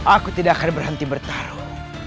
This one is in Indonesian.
aku tidak akan berhenti bertarung